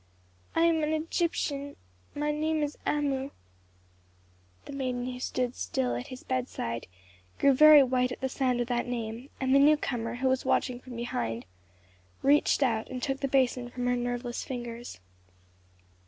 I am an Egyptian, my name is Amu " The maiden who still stood at his bedside grew very white at the sound of that name, and the newcomer, who was watching from behind, reached quietly out and took the basin from her nerveless fingers.